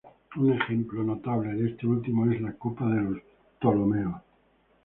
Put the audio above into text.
Un ejemplo notable de este último es la Copa de los Ptolomeos.